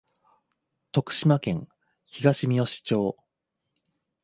徳島県東みよし町